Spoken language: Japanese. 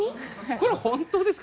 これは本当ですか？